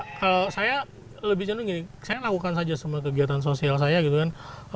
kalau saya lebih cenderung gini saya lakukan saja semua kegiatan sosial saya gitu kan